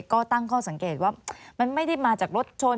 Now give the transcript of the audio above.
ก็ตั้งข้อสังเกตว่ามันไม่ได้มาจากรถชน